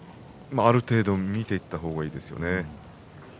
ある程度見ていった方がいいですね。